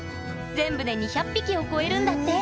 全部で２００匹を超えるんだって！